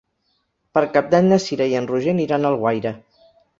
Per Cap d'Any na Cira i en Roger aniran a Alguaire.